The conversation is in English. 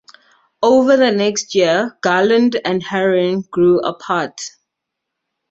Over the next year Garland and Herrin grew apart.